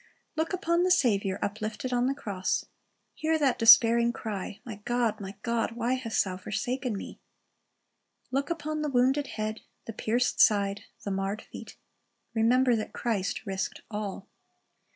Look upon the Saviour uplifted on the cross. Hear that despairing cry, "My God, My God, why hast thou forsaken Me?"^ Look upon the wounded head, the pierced side, the marred feet. Remember that Christ risked all.